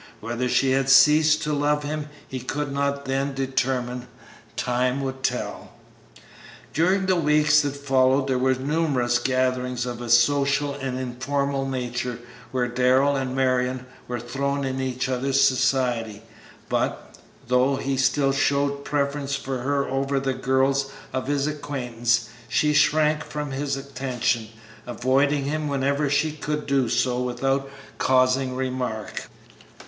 Whether she had ceased to love him he could not then determine; time would tell. During the weeks that followed there were numerous gatherings of a social and informal nature where Darrell and Marion were thrown in each other's society, but, though he still showed a preference for her over the girls of his acquaintance, she shrank from his attentions, avoiding him whenever she could do so without causing remark.